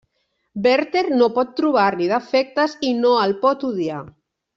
Werther no pot trobar-li defectes i no el pot odiar.